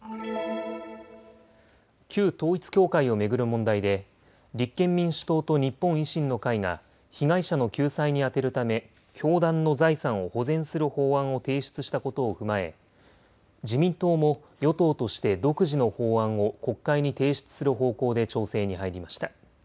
旧統一教会を巡る問題で立憲民主党と日本維新の会が被害者の救済に充てるため教団の財産を保全する法案を提出したことを踏まえ自民党も与党として独自の法案を国会に提出する方向で調整に入りました。